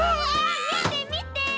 みてみて！